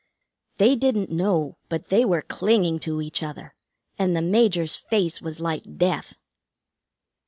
They didn't know, but they were clinging to each other, and the Major's face was like death."